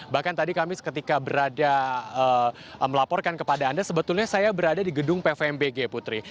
bahkan tadi kami ketika berada melaporkan kepada anda sebetulnya saya berada di gedung pvmbg putri